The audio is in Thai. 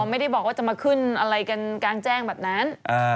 ไม่ได้บอกว่าจะมาขึ้นอะไรกันกลางแจ้งแบบนั้น